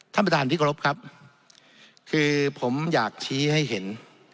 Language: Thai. ท่านประธานที่กรบครับคือผมอยากชี้ให้เห็น